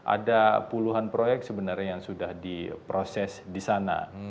ada puluhan proyek sebenarnya yang sudah diproses di sana